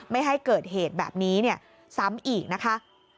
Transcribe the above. ไม่ให้เกิดเหตุแบบนี้ซ้ำอีกนะคะ